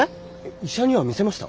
医者には見せました？